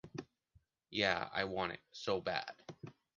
Yeah I want it, so bad